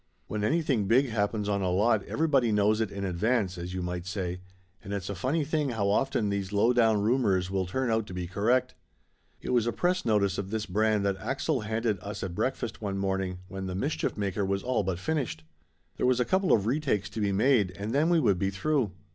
When anything big happens on a lot everybody knows it in advance as you might say. And it's a funny thing how often these lowdown rumors will turn out to be correct. It was a press notice of this brand that Axel handed us at breakfast one morning when The Mischief Maker was all but finished. There was a couple of retakes to be made and then we would be through.